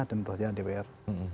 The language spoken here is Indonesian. tentu saja dpr